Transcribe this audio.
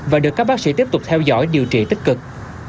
và được các bác sĩ tiếp tục theo dõi điều trị tích cực